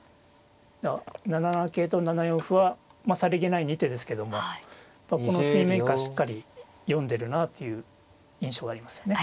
７七桂と７四歩はさりげない２手ですけどもこの水面下しっかり読んでるなという印象がありますよね。